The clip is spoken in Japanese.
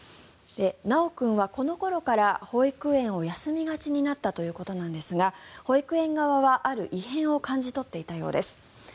修君はこの頃から保育園を休みがちになったということなんですが保育園側は、ある異変を感じ取っていたようです。